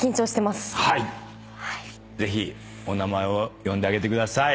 ぜひお名前を呼んであげてください。